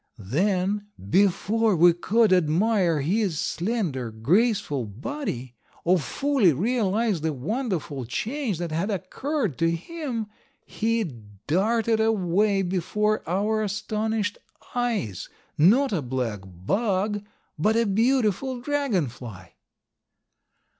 Then, before we could admire his slender, graceful body, or fully realize the wonderful change that had occurred in him, he darted away before our astonished eyes, not a black bug, but a beautiful Dragon fly.